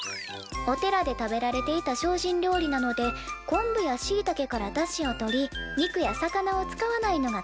お寺で食べられていた精進料理なので昆布やしいたけからだしをとり肉や魚を使わないのが特徴です。